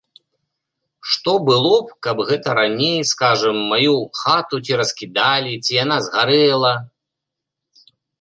Што было б, каб гэта раней, скажам, маю хату ці раскідалі, ці яна згарэла?